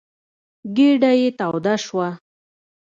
ګېډه یې توده شوه.